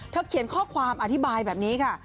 เขียนข้อความอธิบายแบบนี้ค่ะ